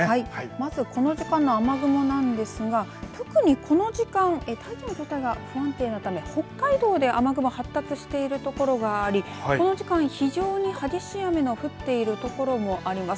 まずこの時間の雨雲なんですが特にこの時間大気の状態が不安定のため北海道で雨雲発達しているところがありこの時間、非常に激しい雨の降っているところもあります。